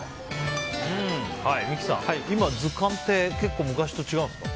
三木さん、今、図鑑って結構昔と違うんですか。